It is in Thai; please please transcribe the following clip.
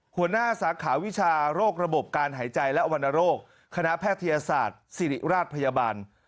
หัวหน้าสาขาวิชาโรคระบบการหายใจและวรรณโรคคณะแพทยศาสตร์ศิริราชพยาบาล